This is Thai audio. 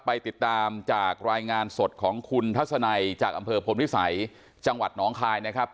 ไปติดตามจากรายงานสดของคุณทัศนัยจากอำเภอพลพิสัยจังหวัดหนองคายนะครับ